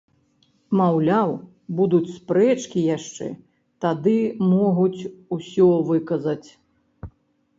Маўляў, будуць спрэчкі яшчэ, тады могуць усё выказаць.